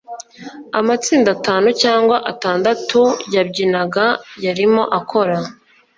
amatsinda atanu cyangwa atandatu yabyinaga yarimo akora